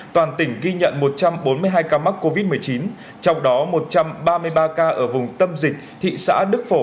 toàn tỉnh ghi nhận một trăm bốn mươi hai ca mắc covid một mươi chín trong đó một trăm ba mươi ba ca ở vùng tâm dịch thị xã đức phổ